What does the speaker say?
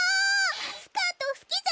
スカートすきじゃないの！